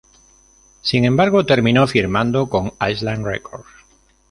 Sin embargo, terminó firmando con Island Records.